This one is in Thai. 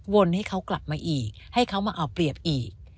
นให้เขากลับมาอีกให้เขามาเอาเปรียบอีก